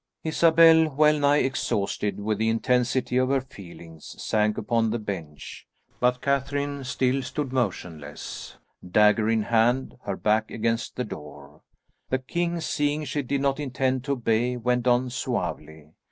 Isabel, wellnigh exhausted with the intensity of her feelings, sank upon the bench, but Catherine still stood motionless, dagger in hand, her back against the door. The king, seeing she did not intend to obey, went on suavely.